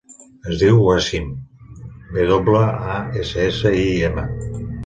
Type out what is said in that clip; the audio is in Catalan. Es diu Wassim: ve doble, a, essa, essa, i, ema.